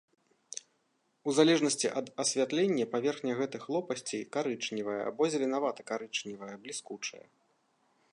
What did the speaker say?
У залежнасці ад асвятлення паверхня гэтых лопасцей карычневая або зеленавата-карычневая, бліскучая.